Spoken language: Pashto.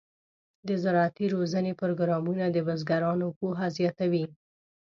د زراعتي روزنې پروګرامونه د بزګرانو پوهه زیاتوي.